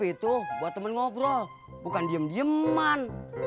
ngopi itu buat temen ngobrol bukan diem diem man